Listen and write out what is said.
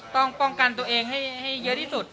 ป้องกันตัวเองให้เยอะที่สุด